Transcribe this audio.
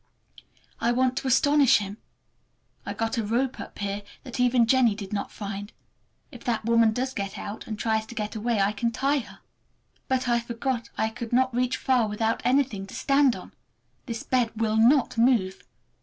I want to astonish him. I've got a rope up here that even Jennie did not find. If that woman does get out, and tries to get away, I can tie her! But I forgot I could not reach far without anything to stand on! This bed will not move!